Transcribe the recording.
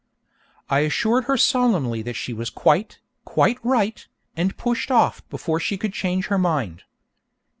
I assured her solemnly that she was quite, quite right, and pushed off before she could change her mind.